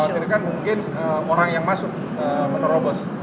khawatirkan mungkin orang yang masuk menerobos